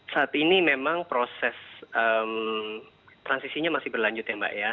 saat ini memang proses transisinya masih berlanjut ya mbak ya